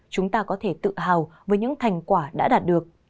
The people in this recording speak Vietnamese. chúng ta có thể tự hào với những thành quả đã đạt được